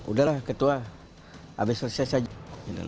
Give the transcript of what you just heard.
udahlah ketua habis reses saja